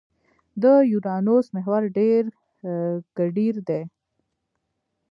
د یورانوس محور ډېر کډېر دی.